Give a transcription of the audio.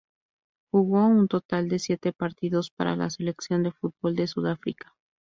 Jugó un total de siete partidos para la selección de fútbol de Sudáfrica.